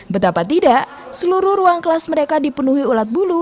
betapa tidak seluruh ruang kelas mereka dipenuhi ulat bulu